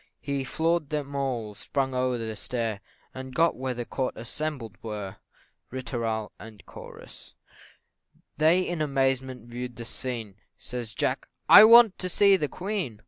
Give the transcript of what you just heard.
He floor'd them all, sprung o'er the stair And got where the court assembled were. Ri tooral, &c. They in amazement view'd the scene Says Jack, "I want to see the Queen!"